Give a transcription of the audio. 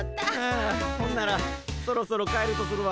あほんならそろそろ帰るとするわ。